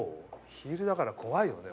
ヒールだから怖いよね。